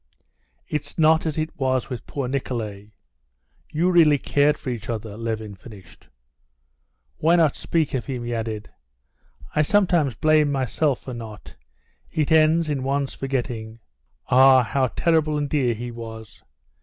"It's not as it was with poor Nikolay ... you really cared for each other," Levin finished. "Why not speak of him?" he added. "I sometimes blame myself for not; it ends in one's forgetting. Ah, how terrible and dear he was!...